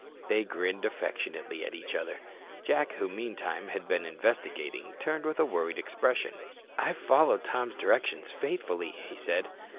They grinned affectionately at each other. Jack who meantime had been investigating, turned with a worried expression. "I've followed Tom's directions faithfully," he said.